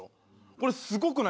これすごくないですか？